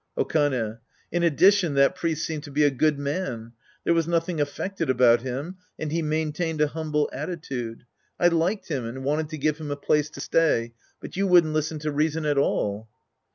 Okane. In addition, that priest seemed to be a good man. There was nothing affected about him and he maintained a humble attitude. I liked him and wanted to give him a place to stay, but you wouldn't listen to reason at all.